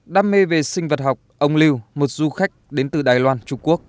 đam mê về sinh vật học ông lưu một du khách đến từ đài loan trung quốc